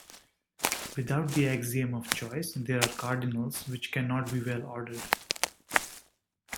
Without the axiom of choice, there are cardinals which cannot be well-ordered.